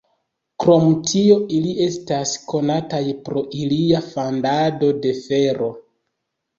Krom tio ili estas konataj pro ilia fandado de fero.